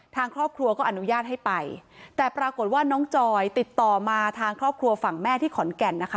ทางครอบครัวก็อนุญาตให้ไปแต่ปรากฏว่าน้องจอยติดต่อมาทางครอบครัวฝั่งแม่ที่ขอนแก่นนะคะ